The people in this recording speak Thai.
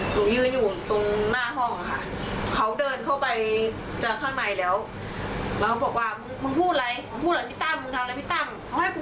ร่วงความเงี่ยปเป็นสักพักค่อนข้างช่วง